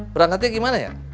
berangkatnya gimana ya